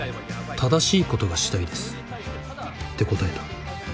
正しいことがしたいですって答えた。